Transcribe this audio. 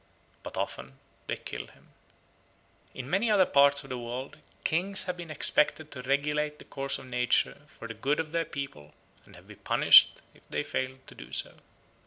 But often they kill him. In many other parts of the world kings have been expected to regulate the course of nature for the good of their people and have been punished if they failed to do so.